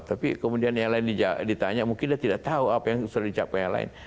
tapi kemudian yang lain ditanya mungkin dia tidak tahu apa yang sudah dicapai yang lain